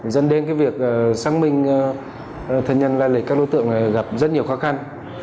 dân đêm cái việc xác minh thân nhân lai lịch các đối tượng này gặp rất nhiều khó khăn